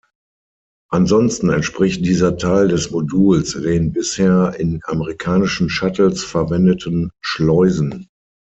Ansonsten entspricht dieser Teil des Moduls den bisher in amerikanischen Shuttles verwendeten Schleusen.